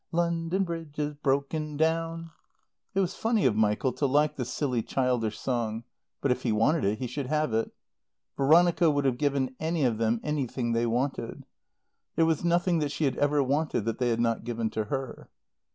"'London Bridge is broken down'" It was funny of Michael to like the silly, childish song; but if he wanted it he should have it. Veronica would have given any of them anything they wanted. There was nothing that she had ever wanted that they had not given to her.